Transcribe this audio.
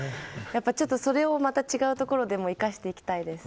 それをまた違うところでも生かしていきたいです。